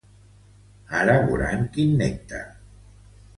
Ara voran quin nèctar.